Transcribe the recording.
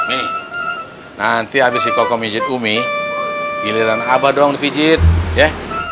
mi nanti abis si koko mincin umi giliran abah doang dipijin ya